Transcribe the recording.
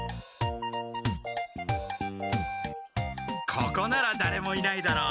ここならだれもいないだろう。